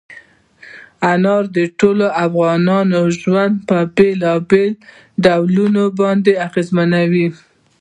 انار د ټولو افغانانو ژوند په بېلابېلو ډولونو باندې اغېزمنوي.